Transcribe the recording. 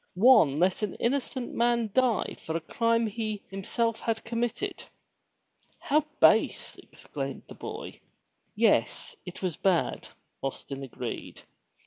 One let an innocent man die for a crime he himself had committed/' "How base!" exclaimed the boy. Yes, it was bad.'* Austin agreed.